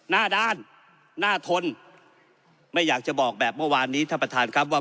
หน้าด้านหน้าทนไม่อยากจะบอกแบบเมื่อวานนี้ท่านประธานครับว่า